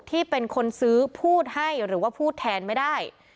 ที่เป็นคนซื้อพูดให้หรือว่าพูดแทนไม่ได้